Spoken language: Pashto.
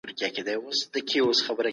رڼا به حتماً د تیارو ځای نیسي.